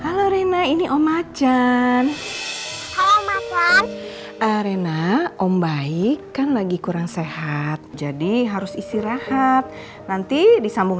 halo rina ini om ajan arena om baik kan lagi kurang sehat jadi harus istirahat nanti disambung